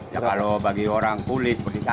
ya kalau bagi orang kulis